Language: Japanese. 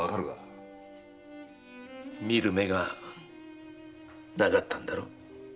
見る目がなかったんだろ。